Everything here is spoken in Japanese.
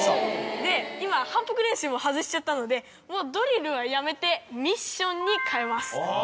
今反復練習も外しちゃったのでドリルはやめてミッションに変えます。